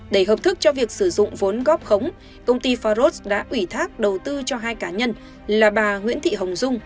để hợp thức cho việc sử dụng vốn góp khống công ty faros đã ủy thác đầu tư cho hai cá nhân là bà nguyễn thị hồng dung